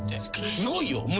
すごいよ。